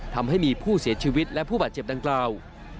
ทำให้มีผู้เสียชีวิตและผู้บาดเจ็บดังกล่าว